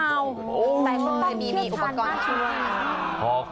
แต่มันต้องเทียบการมาช่วย